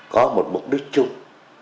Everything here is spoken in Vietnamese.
có một mục đích chung